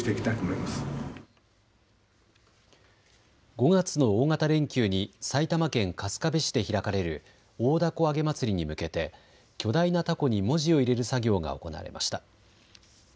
５月の大型連休に埼玉県春日部市で開かれる大凧あげ祭りに向けて巨大なたこに文字を入れる作業が行われました。